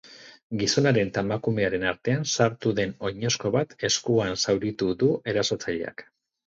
Gizonaren eta emakumearen artean sartu den oinezko bat eskuan zauritu du erasotzaileak.